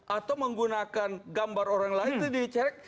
atau menggunakan gambar orang lain itu dicerik